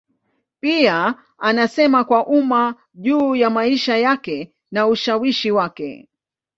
Pia anasema kwa umma juu ya maisha yake na ushawishi wake.